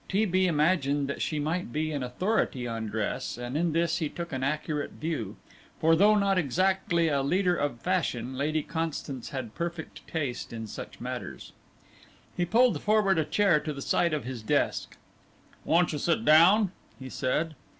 T. B. imagined that she might be an authority on dress, and in this he took an accurate view, for though not exactly a leader of fashion, Lady Constance had perfect taste in such matters. He pulled forward a chair to the side of his desk. "Won't you sit down?" he said.